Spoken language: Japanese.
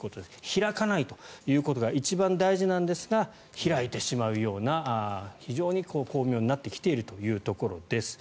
開かないということが一番大事なんですが開いてしまうような非常に巧妙になってきているというところです。